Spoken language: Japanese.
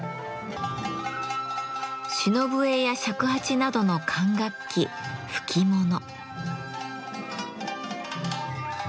篠笛や尺八などの管楽器「吹きもの」。